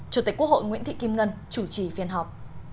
chủ tịch quốc hội nguyễn thị kim ngân chủ trì phiên họp